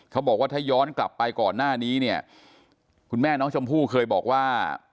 เขาบอกว่าถ้าย้อนกลับไปก่อนหน้านี้เนี่ยคุณแม่น้องชมพู่เคยบอกว่า